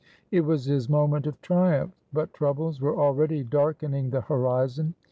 It was his moment of triumph; but troubles were already darkening the horizon.